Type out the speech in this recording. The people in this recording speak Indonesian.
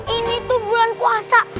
ini tuh bulan puasa